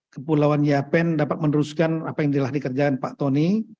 kepulauan yapen dapat meneruskan apa yang telah dikerjakan pak tony